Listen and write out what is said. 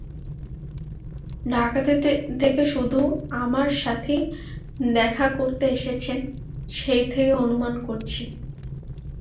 ঢাকা থেকে শুধু আমার সঙ্গেই দেখা করতে এসেছেন, সেই থেকেই অনুমানটা করছি।